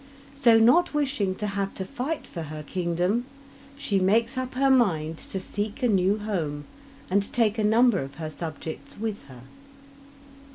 So, not wishing to have to fight for her kingdom, she makes up her mind to seek a new home and take a number of her subjects with her.